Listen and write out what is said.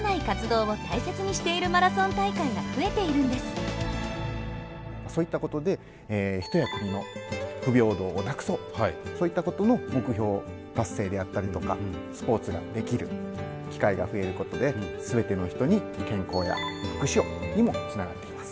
知らなかった今ではそういったことでそういったことの目標達成であったりとかスポーツができる機会が増えることで「すべての人に健康や福祉を」にもつながってきます。